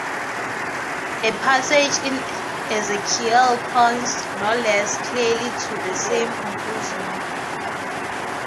A passage in Ezekiel points no less clearly to the same conclusion.